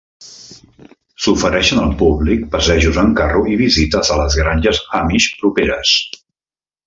S'ofereixen al públic passejos en carro i visites a les granges Amish properes.